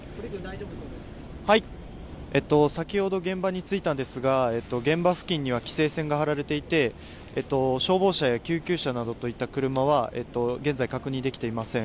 先ほど現場に着いたんですが、現場付近には規制線が張られていて、消防車や救急車などといった車は、現在、確認できていません。